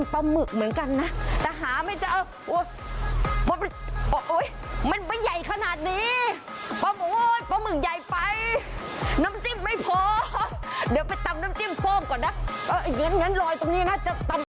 ปลาหมึกเหมือนกันนะแต่หาไม่เจอมันไม่ใหญ่ขนาดนี้ปลาหมึกใหญ่ไปน้ำจิ้มไม่พอเดี๋ยวไปตำน้ำจิ้มเพิ่มก่อนนะอย่างงั้นรอยตรงนี้น่าจะตำ